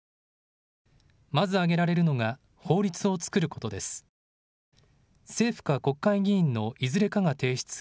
まず挙げられるのが法律を作ることです。